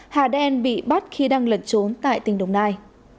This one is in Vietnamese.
hà đen bị bắt khi đang lẩn trốn tại tỉnh đồng nai